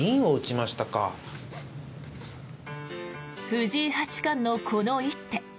藤井八冠のこの一手。